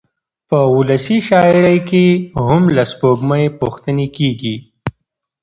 په ولسي شاعرۍ کې هم له سپوږمۍ پوښتنې کېږي.